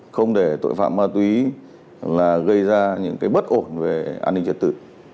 không để tội phạm ma túy là gây ra những cái bất ổn về an ninh trật tự